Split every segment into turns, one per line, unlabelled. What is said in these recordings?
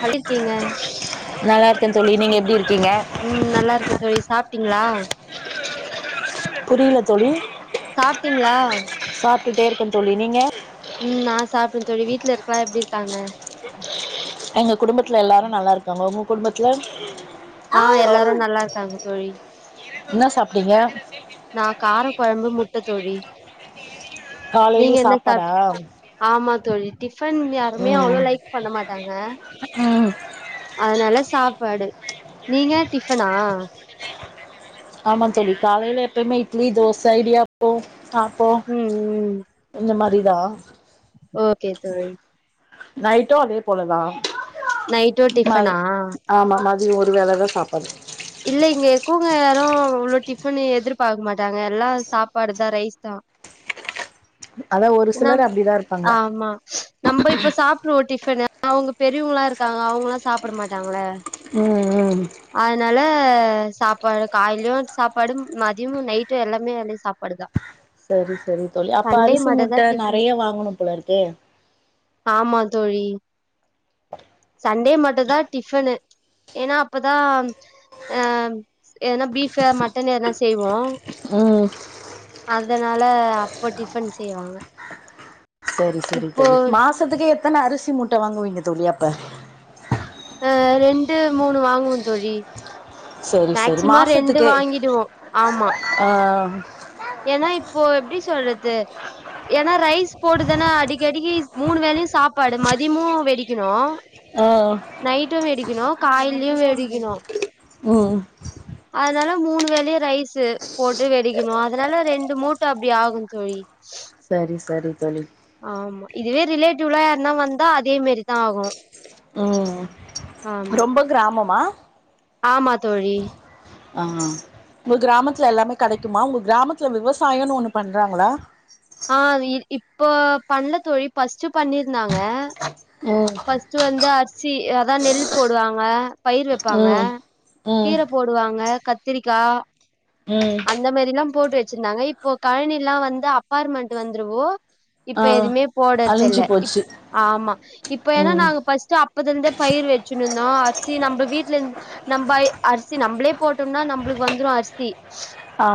கல்லிருக்கீங்க
தோலி நீங்க எப்டி இருக்கீங்க
ம் நல்லா இருக்கே தோழி சாப்ட்டீங்களா
புரில தோலி
சாப்ட்டீங்களா
தோலி நீங்க
ம் நா சாப்ட தோழி வீட்ல இருக்கவங் எப்டி இருக்காங்க
அங்க குடும்பத்துல எல்லாரு நல்லா இருக்காங்க ஒங்கு குடும்பத்துல
ஆ எல்லாரு நல்லா இருக்காங்க தோழி
இன்னா சாப்ட்டீங்க
நா கார கொழம்பு முட்ட தோழி நீங்க
காலையிலயே
என்ன
சாப்பாடா
சாப்ட் ஆமா தோழி டிஃபன் யாருமே அவ்ளோவா
ம்
லைக் பண்ண மாட்டாங்க
ம்
அதனால சாப் பாடு நீங்க டிஃபனா
ஆமா சொல்லி காலையில எப்போுமே இட்லி தோசை ஐடியாப்போ அப்போ
ம் ம்
இந்த மாதிரி ந
ஓகே தோழி
நைட்டும் அதே போலதான்
நைட்டோ டிஃபனா
[unintelligible] ஒரு வேல தா சாப்பாடு
இல்ல இங்க இருக்கவ்ங்க யாரு இவ்ளோ டிஃபனு எதிர்பாக்க மாட்டாங்க எல்லா சாப்பாடு தா ரைஸ் தா
அதா ஒரு
ஏனா
சிலர் அப்டிதா இருப்பாங்க
ஆமா நம்ம இப்ப சாப்டுவோ டிஃபனு அவங்க பெரியவங்களா இருக்காங்க அவங்களா சாப்பிட மாட்டாங்கள
உ உ
ல்லா சாப்பாடு காலேலயு சாப்பாடு மதியமு நைட்டு எல்லாமே வேலயு சாப்பாடுதா
சரி சரி தோழி அப்ப அரிசி மூட்ட ப்ப
டிஃபனு
நறையா வாங்கணுப்போலருக்கே
ஆமா தோழி சண்டே மட்டுதா டிஃப்னு ஏனா அப்பதா அ ஏதனா பீஃபு மட்டனு எதனா செய்வோ
ஆ
அதனால அப்போ டிஃபன் செய்வாங்க
செரி செரி
இப்போ
தோழி மாசத்துக்கு எத்தன அரிசி மூட்ட வாங்குவீங்க தோழி அப்ப
அ ரெண்டு மூணு வாங்குவோ தோழி
செரி செரி
மேக்சிமம் ரெண்டு
மாசத்துக்கே
வாங்கிடுவோ ஆமா
ஆ
ஏன்னா இப்போ எப்படி சொல்றது ஏன்னா ரைஸ் போடுதான அடிக்கடிக்கு மூணு வேளையு சாப்பாடு மதியமு வெடிக்கணு
ஆ
நைட்டு வெடிக் க்கனூ காலேலயு வெடிக்கணு
உ
அதனால மூணு வேலையு ரைஸ்சு போட்டு வெடிக்கணு அதனால ரெண்டு மூட்ட அப்டி ஆகு தோழி
சரி சரி தோழி
ஆமா இதுவே ரிலேட்டிவ்லா யார்னா வந்தா அதே மாரிதா ஆகு
ம்
ஆமா
ரொம்ப கிராமமா
ஆமா தோழி
ஆமா உங்க கிராமத்துல எல்லாமே கெடைக்குமா உங்க கிராமத்துல விவசாயோனு ஒண்ணு பண்றாங்களா
ஆ இப்போ பண்ல தோழி பஸ்ட்டு பண்ணிருந்தாங்க
ம்
ஃபஸ்ட்டு வந்தா அர்ஸ் சி அதா நெல் போடுவாங்க பயிர் வெப்பாங்க
ம் ம்
கீர போடுவாங்க கத்திரிக்கா
ம்
அந்த மேரிலாம் போட்டு வெச்சிருந்தாங்க இப்போ கழனியில்லா வந்து அபார்மெண்ட் வந்துருவோ
ஆ
இப்ப எதுமே போடறது
அழிஞ்சு
இல்ல இப்
போச்சு
ஆமா இப்ப ஏனா
ம்
நாங்க பஸ்டா அப் அப்பதுலருந்தே பயிர் வச்சுணுந்தோ அரிசி நம்ம வீட்ல இருந் நம்ப ஐ அரிசி நம்மளே போட்டும்னா நம்மளுக்கு வந்துரு அரிசி
ஆ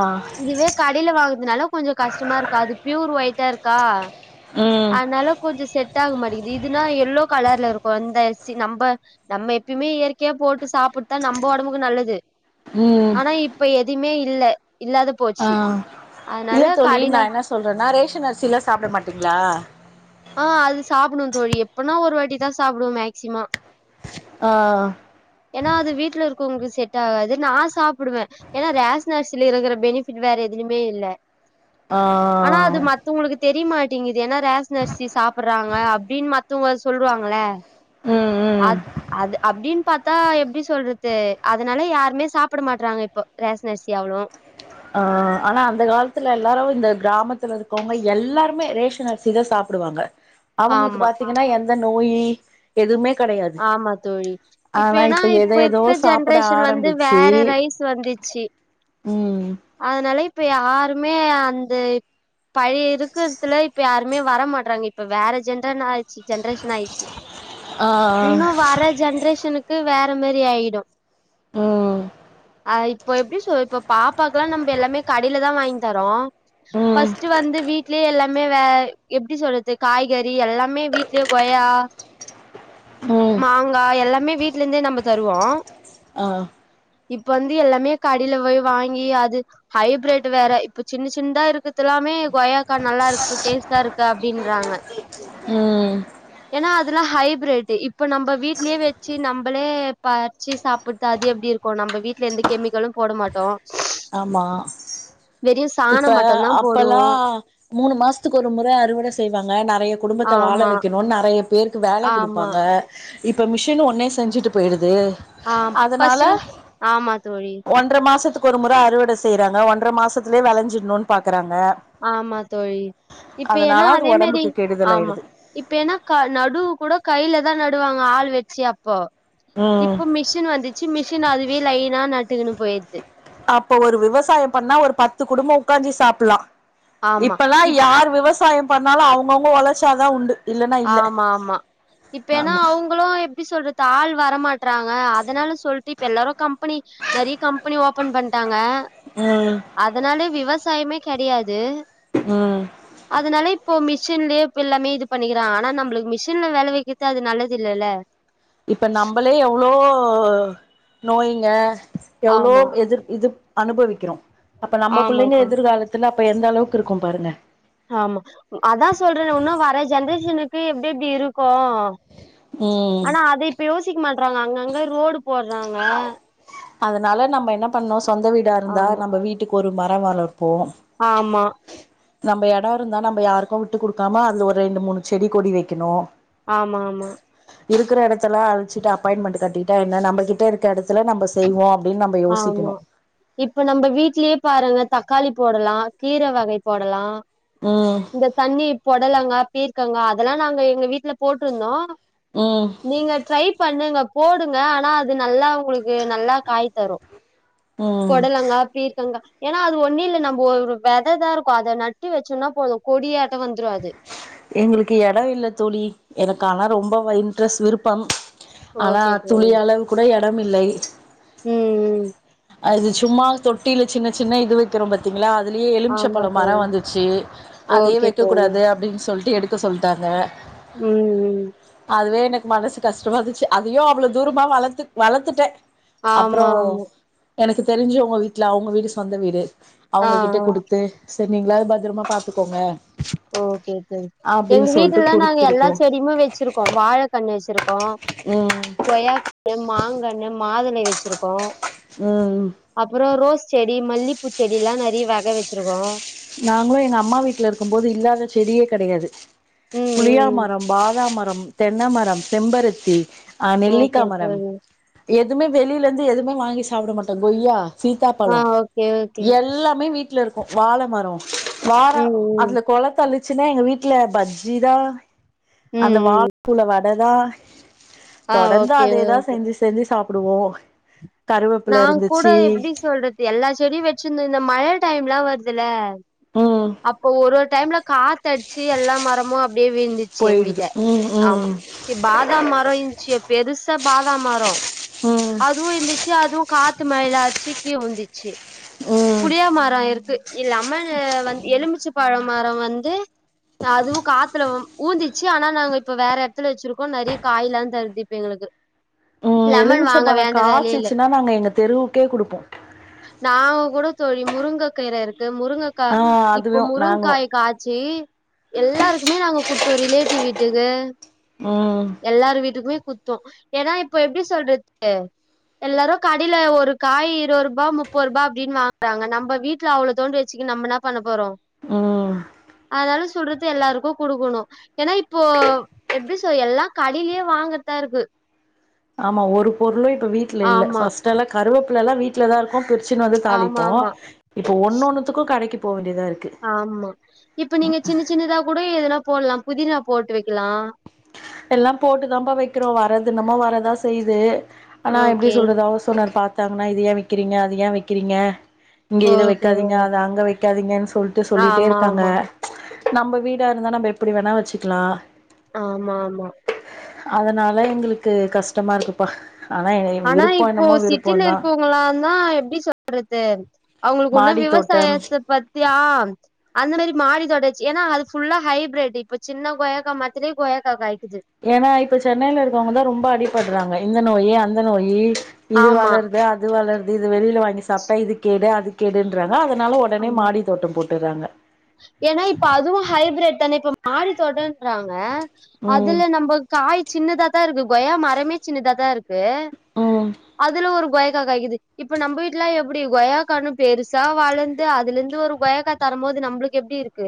கடையில வாங்குதுனால கொஞ்சோ கஷ்டமா இருக்கு அது பியூர் ஒயிட்டா இருக்கா
ம்
அனால கொஞ்சோ செட் ஆக மாட்டேங்குது இதுனா எல்லோ கலர்ல இருக்கு இந்த நம்ப நம்ம எப்பியுமே இயற்கையா போட்டு சாப்புட்தா நம்ம ஒடம்புக்கு நல்லது
ம்
ஆனா இப்ப எதிமே இல்ல
ஆ
இல்லாதபோச்சி
தோழி நான் என்ன சொல்றேன்னா ரேஷன் அரிசியிலா சாப்பிடமாட்டீங்களா
ஆ அது சாப்புடுவோ தோழி எப்பனா ஒரு வாட்டிதா சாப்புடுவோ மேக்சிமா
ஆ ஆ
ஏனா அது வீட்டுல இருக்கவங்குக்கு செட் ஆகாது நா சாப்புடுவே ஏனா ரேஷ் அரிசில இருக்கிற பெனிஃபிட் வேற எதுலயுமே இல்ல
ஆ ஆ
த்து உங்களுக்கு தெரியமாட்டேங்குது ஏன்னா ரேஸ் ஷ்னு அரிசி சாப்பிறாங்க அப்டின்னு மத்தவங்க சொல்லுவாங்கள
ம்
அ
ம்
அது அப்டின்னு பாத்தா எப்பிடி சொல்றது அதனால யாருமே சாப்பிட மாட்டறாங்க இப்போ ரேஷன் அரிசி அவ்ளோவு
ஆ ஆனா அந்த காலத்துல எல்லாரும இந்த கிராமத்துல இருக்கவங்க எல்லாருமே ரேஷன் அரிசிதா சாப்புடுவாங்க அவங்களுக்கு
ஆமா
பாத்தீங்கன்னா எந்தன் நோயி எதுவுமே கெடையாது
ஆமா தோழி இப்ப
ஆனா
ஏன்னா
எத
இப்ப
ஏதோ
இருக்க
சாப்ட
ஜென்ரேஷன் வந்து
ஆரம்பிச்சு
வேற ரைஸ் வந்துச்சி
ம்
அதனால இப் இப்ப யாருமே அந்த பழி இருக்குறதுல இப்ப யாருமே வரமாட்றாங்க இப்ப வேற ஜென்டரன்னால்யிச்சி ஜென்ரஷன் ஆயிச்சி
ஆ
உன்னு வர ஜென்ரேஷனுக்கு வேற மேரி ஆயிடு
ம்
அ இப்ப எப்பிடி சொல் இப்ப பாப்பாக்கல்லா நம்ப எல்லாமே கடெயிலதா வாங்கி தரோ
ம்
பஸ்ட்டு வந்து வீட் ட்லியே எல்லாமே வே எப்பிடி சொல்து காய்கறி எல்லாமே வீட்லேயே கொயா
ம்
மாங்கா எல்லாம் மே வீட்ல இந்தே நாம்ப தருவோ
ஆ
இப்ப வந்து எல்லாமே கடில போய் வாங்கி அது ஹைப்ரேட் வேற இப்ப சின்ன சின்தா இருக்கது எல்லாமே கொயாக்கா நல்லா இருக்கு டேஸ்ட்டா இருக்கு அப்பிடின்றாங்க
ம்
ஏன்னா அதுல்லா ஹைப் ப்ரெட்டு இப்ப நம்ப வீட்லே வச்சு நம்பளே பறிச்சி சாப்பிட்ட அது எப்படி இருக்கு நம்ப வீட்ல எந்த கெமிக்கலும் போட மாட்டோ
ஆமா
வெறு
இப்ப
சாணம் மட்டுந்தா
அப்பல்லா
போடுவோ
மூணு மாசத்துக்கு ஒரு முற அறுவட செய்வாங்க நெறைய குடும்பத்த வாழ
ஆமா
வைக்கணு நெறைய பேருக்கு வேல ல்ல
ஆமா
குடுப்பாங்க இப்ப மிஷினு ஒன்னே செஞ்சுட்டு போயிடு து
ஆ
அதனால
ஃபஸ்ட்லா ஆமா தோழி
ஒன்ற மாசத்துக் கொருமு ப்ப அறுவட செய்றாங்க ஒன்ற மாசத்லே வெளஞ்சிடணு பாக்கறாங்
ஆமா தோழி இப்ப ஏன்னா
அதனால அது
அதே மேரி
ஒடம்புக்கு கெடுதல்
ஆமா
ஆயிடுது
இப்ப ஏனா நடு கூட கையிலதா ந ட்டுவாங்க ஆள் வச்சு அப்போ
ம்
இப்போ மிஷின் வந்துச்சு மிஷின் அதுவே லைனா நட்டுக்கணு போயிர்து
அப்ப ஒரு விவசாய பண்ணா ஒரு பத்து குடும்ப உக்காந்தி சாப்லா
ஆமா
இப்பலா
இப்
யார் விவசாய பண்ண அதனால அவுங்கவுங்க ஒளச்சாதா உண்டு இல்லன்னா இல்ல
ஆமா ஆமா இப்ப எனா
ஆமா
அவங்களு எப்டி சொல்றது ஆள் வரமாட்றாங்க அதனால சொல்டு இப்ப எல்லாரு கம்பனி நெறய கம்பனி ஓபன் பண்ட்டாங்க
ம்
அதனால விவசாயமே கெடயாது
ம்
அதனால இப்போ மிஸ் மிஷின்ளே இப்ப எல்லாமே இது பண்ணிகிறா ஆனா நம்ளுக்கு மிஷின்ல வேல வக்குறது அது நல்லது இல்லல்ல
இப்ப நோயிங்க எவ்ளோ
ஆமா
எதிர் இது அனுபவிக்கிறோம அப்ப நம்ம
ஆமா
புள்ளங்க
தோழி
எதிர்காலத்ல இப்ப எந்த அளவுக்கு இருக்கு பாருங்க
ஆமா அதா சொல்றேனே இன்னு வர ஜென்ரேஷனுக்கு எப்டி எப்டி இருக்கு அ
ம்
ஆனா அத இப்ப யோசிக்க மாட்ட அப்பறங்க அங்கங்க ரோடு போட்றாங்க
அதனால நம்ம என்ன பண்ணோ சொந்த வீடா இருந்தா
ஆமா
நம்ம வீட்டுக்கு ஒரு மர வளர்
ஆமா
நம்ப இட இருந்தா நம்ப யாருக்கு விட்டு குடுக்காம அதுல ஒரு ரெண்டு மூனு செடி கொடி வெக்கணு
ஆமா ஆமா
இருக்குற இடத்துல அழிச்சிட்டு அப்பாய்மெண்ட் கட்டிட்டா என்ன நம்பகிட்ட இருக்க இடத்து
ஆமா இப்ப நம்ப வீட்லயே பாருங்க தக்காளி போடலா கீர வகை போடலா
ம்
இந்த தண்ணீர் பொடலங்கா பீர்க்கங்கா அதெல்லா நாங்க எங்க வீட்ல போட்ருந்தோ
ம்
நீங்க ட்ரை பண்ணுங்க போடுங்க ஆனா அது நல்லா உங்களுக்கு நல்லா காய் தரு
ம்
பொடலங்கா பீர்க்கங்கா ஏன்னா அது ஒன்னு இல்ல நம்ப ஒரு விததா இருக்கு அத நட்டு வெச்சோன்னா போது கொடியாட்
எங்களுக்கு எடோ இல்ல தோழி எனக்கு ஆனா ரொம்போ இன்ட்ரெஸ்ட் விருப்பம் ஆனா
ஓகே தோழி
துளியளவு கூட எட எடம் இல்லை
ம் ம்
அது சும்மா தொட்டில சின்ன சின்ன இது வெக்கிறோம் பாத்தீங்களா வெளிய
ஆமா
எலும்சப்பழோ மரோ
தோழி
வந்துச்சு அதே வெக்
ஓகே
வெக்க
தோழி
கூடாது அப்டின் சொல்டு எடுக்க சொல்டாங்க
ம் ம்
எனக்கு மனசு கஷ்டமா இருந்துச்சு அதையு அவ்வளோ தூரமா வளத்து வளத்துட்ட
ஆமா ஆமா
எனக்கு தெரிஞ்சு உங்க வீட்ல அவங்க வீடு சொந்த வீடு
ஆ
அவங்ககிட்ட
ஆ
குடுத்து சேரி நீங்களாவது பத்துரமா பாத்துக்கோங்க
ஓகே சேரி எங்க
அப்டின்னு சொல்ட்டு
வீட்லல்லா நாங்க எல்லா
குடுத்துருக்கோ
செடியுமே வெச்சுருக்கோ வாழ கன்னு வெச்சுருக் கோ
ம்
கொய்யாக்கன்னு மாங்கன்னும் மாதுளை வெச்சுருக்கோ
ம்
அப்புறோ ரோஸ் செடி மல்லிப்பூ செடில்லா நெறைய வக வெச்சுருக்கோ
நாங்களு எங்க அம்மா வீட்ல இருக்கும் போது இல்லாத செடியே கெடையாது
ம்
புளியா
ம்
மரம் பாதாம் மரம் தென்னமரம் செம்பருத்தி ஆ நெல்லிக்கா
ஓகே
மரம்
தோழி
எத் எதுமே வெளிலருந்து எதுமே வாங்கி சாப்புட மாட்டோ கொய்யா
ஆ
சீதாப்பழோ
ஓகே ஓகே
எல்லாமே வீட்ல இருக் கு வாழ மரோ வார
ம் ம்
அதுல கொளத்தள்ளி ச்சுனா எங்க வீட்ல பஜ்ஜிதா அந்த
ம் ம்
வாழபூல்ல வட அதா
ஆ
தொடந்து
ஓகே
அதேதா செஞ்சு செஞ்சு சாப் புடுவோ
நாங் கூட எப்டி சொல்றது எல்லா செடியு வெச்சுருந்தோ இந்த மழ டைம்லா வர் துல
ம்
அப்போ ஒரு ஒரு டைம்ல காத்தடுச்சு எல்லா மரம் ம்மாப் அப்டியே விழுந்துருச்சு எங்க
போயிடுது
வீட்ட
ம்
ஆமா
ம்
பாதாம் மரோ இருஞ்சு பெருஸ் த்த பாதாம் மரோ
ம்
அதுவு இந்தி ச்சு அதுவு காத்து மழில அச்சு கீழ ஊந்துச்சு
ம்
புளியா மரோ இருக்கு இலெமனு வந்து எலுமிச்சு பழோம் மரோ வந்து அதுவு காத்துல ஊந்திச்சு ஆனா நாங்க இப்ப வேற எடத்துல வெச்சுருக்கோ நெறைய காய் எல்லாந் தருது இப்போ எங்களுக்கு லெமன் வாங்க வேண்ட வேலையே இல்ல
னா நாங்க எங்க தெருவுக்கே குடுப்போ
நாங்க கூட தோழி முருங்க கீர இருக் முருங்கக்கா
ஆ
இப்ப
அதுவு நாங்களு
முருங்காய் காச்சு எல்லாருக்குமே நாங்க குடுத் ரிலேட்டிவ் வீட்டுக்கு
ம்
எல்லாரு வீட்டுக்குமே குத்தோ ஏனா இப்போ எப்டி சொல்றது எல்லாரு கடையில ஒரு காய் இருவுரூபா முப்பரூபா அப்டின் வாங்குறாங்க நம்ப வீட்ல அவ்வளோ தோண்டு வெச்சிகின் நம்ம என்ன பண்ணப் போறோ
ம்
அதாலஸ் த்துடுறது எல்லாருக்கு குடுக்கணு ஏனா இப்போ எப்டி செய்ய எல்லா கடயிலயே வாங்குறதா இருக்கு
ஆமா ஒரு பொருளு இப் இப்போ வீட்ல இல்ல
ஆமா
ஃபஸ்ட்டு எல்லா கருவேப் எல்லா வீட்லதா இருக்கு பிருச் சுன் வந்து
ஆமா
தாளிப்போ
ஆமா
இப்ப ஒன்னு ஒன்னுத்துக்கு கடைக்கு போ வேண்டியதா இருக்கு
ஆமா இப்ப நீங்க சின்ன சின்னதா கூட எதனாப் போல்லாம் புதினா போட்டு வெக்கலா
எல்லாம் போட்டுதாம்பா வெக்கிறோ வறது என்னம்மோ வறதா செய்து ஆனா எப்டி
ஓகே
சொல்றது ஹவுஸ் ஓனர் பாத் பாத்தாங்கன்னா இத ஏ வெக்கிறீங்க அத ஏ வெக்கிறீங்க இங்க இத
ஓகே
வெக்காதீங்க அத அங்க வெக்காதீங்கன் சொல்டு சொல்லிட்டே
ஆமா
இருக்காங்க
ஆமா
நம்ம வீடா இருந்தா நம்ம எப்டி வேணா வெச்சுக்கலா
ஆமா ஆமா
அதனால எங்களுக்கு கஷ்டமா இருக்குப்பா ஆனா
ஆனா
விருப்போ
இப்போ
என்னமோ
சிட்டில
விருப்பந்தா
இருக்கவங்களாந் தா எப்டி சொல்றது அவுங்களுக்கு உன்னு
மாடி தோட்டம்
விவசாயத்த பத் [unintelligible] ஆம் அந்த மாதிரி மாடி தோட்டச்சு ஏனா அது ஃபுல்லா ஹைப்ரெட் இப்ப சின்ன கொயக்கா மரத்திலே கொய்யாக்கா காய்க்
ஏனா இப்ப சென்னைல இருக்கவங்க தா ரொம்ப அடிபடுறாங்க இந்த நோய் அந்த நோயி இது
ஆமா
வளர்து அது வளர் இது வெளியல வாங்கி சாப்ட்டா இது கேடு அது கேடுன்றங் தா அதனால உடனே மாடி தோட்டம் போட் பேராங்க
ஏனா இப்ப அதுவு ஹைபிரட் தானே இப்ப மாடித்தோட்டன்றாங்க
ம்
அதுல நம்ப காய் சின்னுதக் தா இருக்கு கொய்யா மரமே சின்னுதாதா இருக் டு
ம்
அதுல ஒரு கொய் கா காய்க்து இப்ப நம்ப வீட்டுல எப்டி கொய்யாக்கனு பெருசா வளந்து அதுலந்து ஒரு கொய்யாக்கா தரும்போது நம்பளுக் எப்டி இருக்கு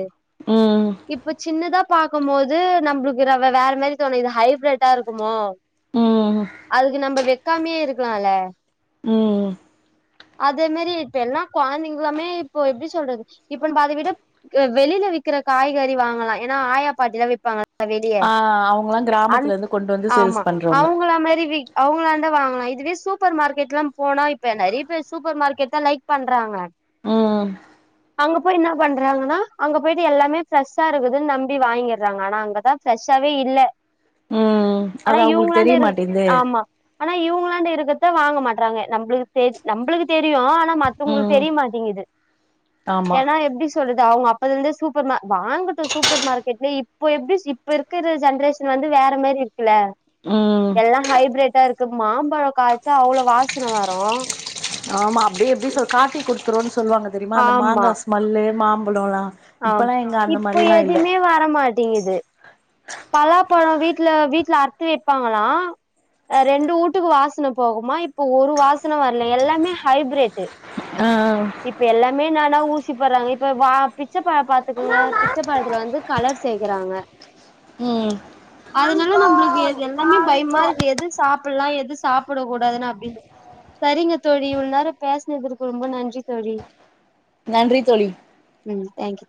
ம்
இப்ப சின்னுதாப் பாக்கும் போது நம்பளுக்கு ரவ வேற மாரி தோணும் இது ஹைப்ரட்டா இருக்குமோ
ம்
அதுக்கு நம்ப வெ கம்மிய இருக்கலால
ம் ம்
அதே மாரி இப்ப எல்லா கொழந்தைங்கலாமே இப்போ எப்டி சொல்றது இப்ப நம்ப அதா விட க வெளியல விக்கிற காய்கறி வாங்கலா ஏனா ஆயா பாட்டி தா விப்பாங்க வெளியே
ஆ அவங்கல்லா
அந்
கிராமத்துல இருந்து கொண்டு வந்து
ஆமா
சேல்ஸ் பண்றவங்க
அவுங்கள மாரி விக் அவுங்கலாண்ட வாங்கலா இதுவே ஸ் சூப்பர் மார்க்கெட்ல்லா போன இப்ப நறைய பேர் சூப்பர் மார்க்கெட் தா லைக் பண்றாங்க
ம்
அங்க போய் ன்ன பண் றாங்கன்னா அங்க போயிட்டு எல்லாமே ஃப்ரெஷ்ஷா இருக்குதுன் நம்பி வாங்கிறாங்க ஆனா அங்கதா ஃப்ரெஷ்ஷாவே இல்ல.
ம்
ஆனா
அது அவங்களுக்கு
இவுங்களாண்ட
தெரிய
இருக்
மாட்டேங்குதே
ஆமா ஆனா இவுங்களாண்ட இருக் த் த வாங்க மாட்டறாங்க நம்பளுக் தெ நம்பளுக்கு தெரியும் ன மத்தவங்களுக்கு
ம்
தெரிய மாட்டேங்கிது
ஆமா
ஏனா எப்டி சொ து அவுங்க அப்பதலந்து சூப்பர் மா வாங்கட்டும் சூப்பர் மார்க்கெட்ல இப்போ எப்டி இப்ப இருக்கற ஜென்ரேஷன் வந்து வேற மாரி இருக் குல்லா
ம்
எல்லா ஹைப்ரட்ட இருக் கு மாம்பழ காய்க் க அவ்ளோ வாசன வரும்
த்ரோன்ஸ் சொல்வாங்க தெரிம்மா அந்த மாங்கா ஸ்மெல்லு மாம் பலோலா
ஆ இப்ப எதுமே வரமாட்டேங்குது பலா ப்பழோ வீட்ல வீட்ல அர்த்து வைப்பாங்களா ஆ ரெண்டு ஊட்டுக்கு வாசன போகுமா இப்ப ஒரு வாசன வரல எல்லாமே ஹைப்ரிட்டு்
ஆ
இப்ப எல்லாமே ந ல்லா ஊசி போடுறாங்க இப்ப வா பி ச்ச பழோ பாத்துக்கங்க பிச்சப்பழத்துல வந்து கலர் சேக்கறாங்க
ம்
அதனால நம்பளுக்கு எது எல்லாமே பயமா இருக்கு எது சாப்பட்லா எத் எது சாப்படக்கூடாதுனு அப்டின்ட்டு சரிங்க தோழி இவ்ளோ நேரோ பேசனதுக்கு ரொம்ப நன்றி தோழி
நன்றி தோழி
ம் தேங்க்யூ